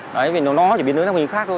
đấy vì nó chỉ biến tướng ra một hình khác thôi